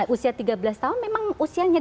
usia tiga belas tahun memang usianya